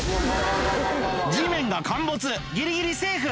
地面が陥没ギリギリセーフ！